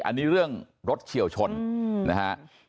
อันนี้เรื่องรถเฉียวชนนะฮะ